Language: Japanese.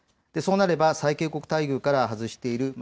そうなれば最恵国待遇から外している